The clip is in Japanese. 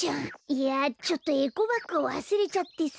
いやちょっとエコバッグをわすれちゃってさ。